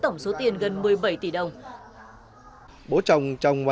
tổng số tiền em nhận là